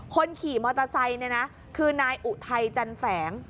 คนขี่มอเตอร์ไซค์คือนายอุไทยจันแฝง